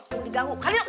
mau diganggu kali itu